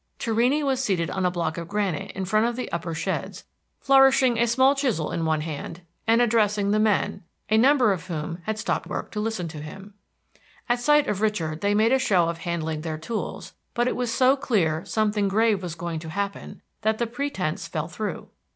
Torrini was seated on a block of granite in front of the upper sheds, flourishing a small chisel in one hand and addressing the men, a number of whom had stopped work to listen to him. At sight of Richard they made a show of handling their tools, but it was so clear something grave was going to happen that the pretense fell through.